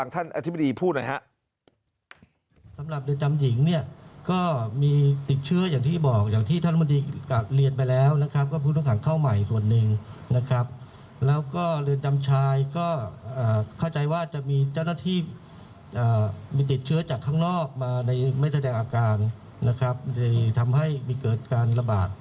อธิบดีพูดหน่อยครับ